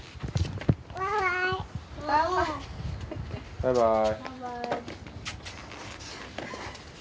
バイバイ。